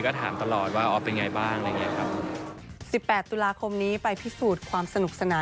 ก็ถามตลอดว่าอ๊อฟเป็นไงบ้าง